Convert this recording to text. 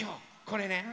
これね。